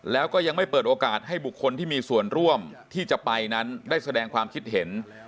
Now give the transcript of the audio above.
แล้วก็ยังไม่เปิดโอกาสให้บุคคลที่มีส่วนร่วมที่จะไปนั้นได้แสดงความคิดเห็น